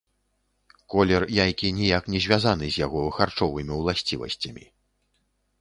Колер яйкі ніяк не звязаны з яго харчовымі ўласцівасцямі.